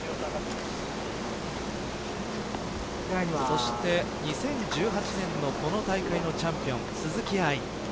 そして２０１８年のこの大会のチャンピオン鈴木愛。